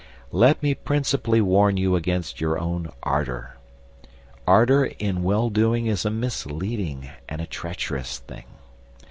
Let me principally warn you against your own ardour. Ardour in well doing is a misleading and a treacherous thing.